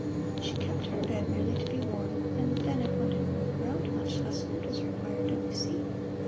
She kept to her bed merely to be warm; and then if one didn't move around much, less food was required don't you see?